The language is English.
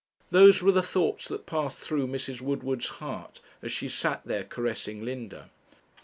Those were the thoughts that passed through Mrs. Woodward's heart as she sat there caressing Linda.